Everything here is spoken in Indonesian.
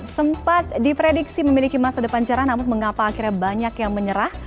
sempat diprediksi memiliki masa depan cerah namun mengapa akhirnya banyak yang menyerah